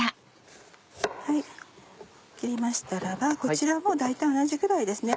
切りましたらこちらも大体同じぐらいです。